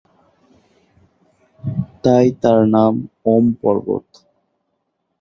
তাই তার নাম ‘ওম্’ পর্বত।